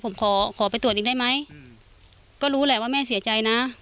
ผมขอขอไปตรวจอีกได้ไหมก็รู้แหละว่าแม่เสียใจนะ